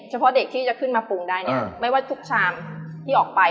เฉพาะเด็กที่จะขึ้นมาปรุงได้เนี่ยไม่ว่าทุกชามที่ออกไป